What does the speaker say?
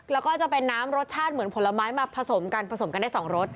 แล้วก็จะเป็นน้ำรสชาติเหมือนผลไม้มาผสมกันผสมกันได้๒รส